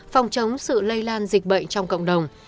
phòng chống sự lây lan dịch bệnh trong cộng đồng